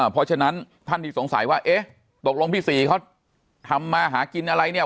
เพราะฉะนั้นท่านที่สงสัยว่าเอ๊ะตกลงพี่ศรีเขาทำมาหากินอะไรเนี่ย